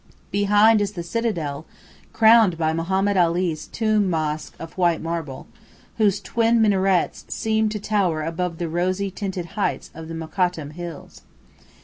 Behind is the citadel, crowned by Mohammed Ali's tomb mosque of white marble, whose tall twin minarets seem to tower above the rosy tinted heights of the Mokattam Hills.